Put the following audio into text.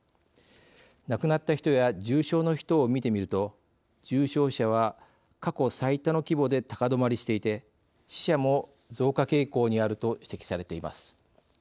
亡くなった人や重症の人を見てみると重症者は過去最多の規模で高止まりしていて死者も増加傾向にあると指摘されています。